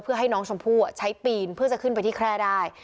เพื่อให้น้องชมพู่ใช้ปีนเพื่อจะขึ้นไปที่แคร่ได้